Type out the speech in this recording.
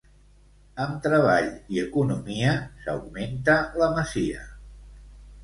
Amb treball i economia s'augmenta la masia.